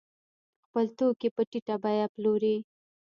خپل توکي په ټیټه بیه پلوري.